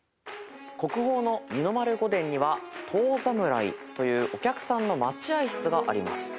国宝の二の丸御殿には遠侍というお客さんの待合室があります。